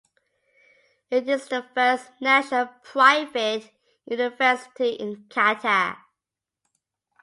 It is the first national private university in Qatar.